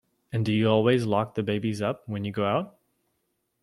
And do you always lock the babies up when you go out?